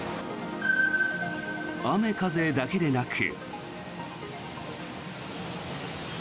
雨、風だけでなく。